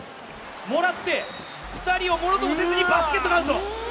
もらって、２人をもろともせずにバスケットカウント。